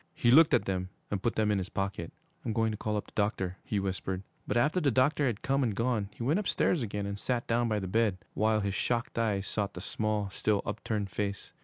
He looked at them and put them in his pocket. 'I'm going to call up the doctor,' he whispered. But after the doctor had come and gone, he went upstairs again and sat down by the bed, while his shocked eyes sought the small, still upturned face.